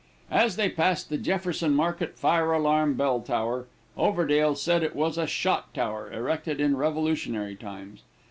As they passed the Jefferson Market fire alarm bell tower, Overdale said it was a shot tower, erected in revolutionary times.